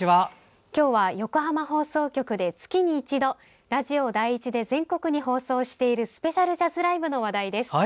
今日は横浜放送局で月に１度ラジオ第１で全国に放送しているスペシャルジャズライブの話題です。